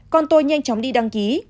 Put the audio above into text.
còn tôi nhanh chóng đi đăng ký